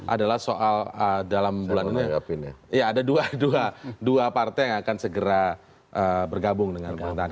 adalah soal dalam bulan ini ada dua partai yang akan segera bergabung dengan perantahan